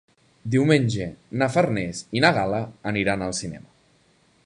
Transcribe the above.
Diumenge na Farners i na Gal·la aniran al cinema.